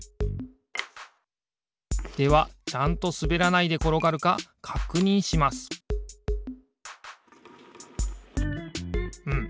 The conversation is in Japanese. ではちゃんとすべらないでころがるかかくにんしますうん。